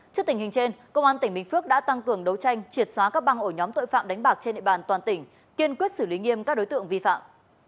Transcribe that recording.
trước tình hình trên công an tỉnh bình phước đã tăng cường đấu tranh triệt xóa các băng ổ nhóm tội phạm đánh bạc trên địa bàn toàn tỉnh kiên quyết xử lý nghiêm các đối tượng vi phạm